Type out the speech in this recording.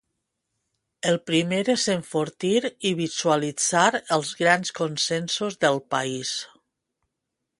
El primer és enfortir i visualitzar els grans consensos del país.